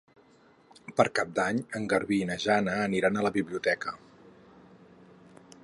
Per Cap d'Any en Garbí i na Jana aniran a la biblioteca.